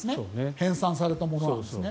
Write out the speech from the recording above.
編さんされたものなんですね。